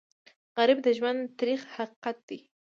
غریب د ژوند تریخ حقیقت دی